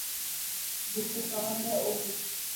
جڪو سوال هي او پڇ.